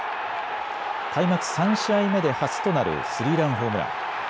開幕３試合目で初となるスリーランホームラン。